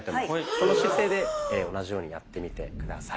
その姿勢で同じようにやってみて下さい。